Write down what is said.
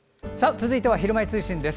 続いては「ひるまえ通信」です。